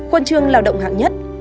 huân chương lao động hạng nhất